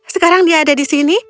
sekarang dia ada di sini